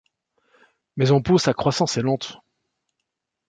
Mais en pot sa croissance est lente.